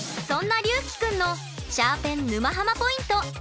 そんなりゅうきくんのシャーペン沼ハマポイント。